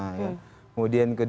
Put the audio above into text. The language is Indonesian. kemudian kedua dan ketiga